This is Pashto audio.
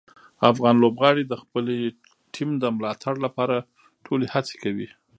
افغان لوبغاړي د خپلې ټیم د ملاتړ لپاره ټولې هڅې کوي.